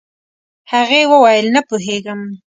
هغې وويل نه پوهيږم.